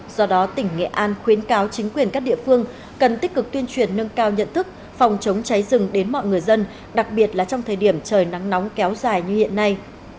do đó tỉnh nghệ an khuyến cáo chính quyền các địa phương cần tích cực tuyên truyền nâng cao nhận thức phòng chống cháy rừng đến mọi người dân đặc biệt là trong thời điểm trời nắng nóng kéo dài như hiện nay